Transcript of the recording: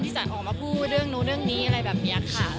สายออกมาพูดเรื่องนู้นเรื่องนี้อะไรแบบนี้ค่ะ